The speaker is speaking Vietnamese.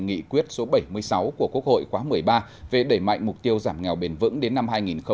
nghị quyết số bảy mươi sáu của quốc hội khóa một mươi ba về đẩy mạnh mục tiêu giảm nghèo bền vững đến năm hai nghìn ba mươi